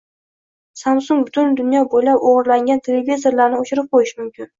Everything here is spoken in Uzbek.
Samsung butun dunyo bo‘ylab o‘g‘irlangan televizorlarini o‘chirib qo‘yishi mumkin